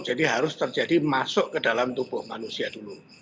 jadi harus terjadi masuk ke dalam tubuh manusia dulu